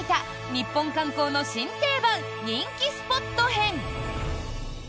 ニッポン観光の新定番人気スポット編。